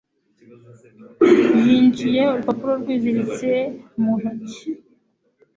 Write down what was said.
yinjije urupapuro rwiziritse mu ntoki.